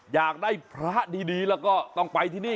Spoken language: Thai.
อยากได้พระดีแล้วก็ต้องไปที่นี่